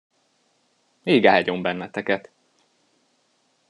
Ég áldjon benneteket!